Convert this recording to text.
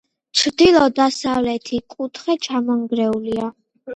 ჩრდილო-დასავლეთი კუთხე ჩამონგრეულია.